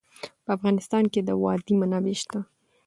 په افغانستان کې د وادي منابع شته.